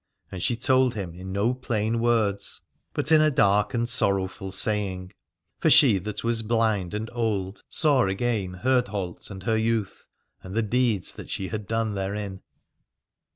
And she told him in no plain words, but in a dark 277 Alad ore and sorrowful saying : for she that was bhnd and old saw again Herdholt and her youth, and the deeds that she had done therein.